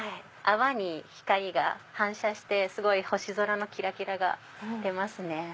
泡に光が反射して星空のキラキラが出ますね。